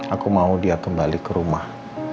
aku mau dia kembali ke rumah